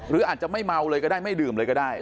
หรืออาจจะไม่เมาเลยก็ได้ไม่ดื่มเลยก็ได้